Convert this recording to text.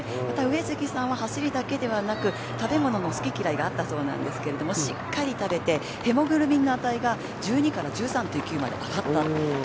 また上杉さんは走りだけではなく食べ物の好き嫌いがあったそうなんですけどしっかり食べてヘモグロビンの値が１２から１３．９まで上がったと。